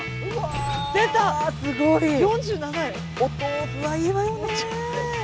お豆腐はいいわよね。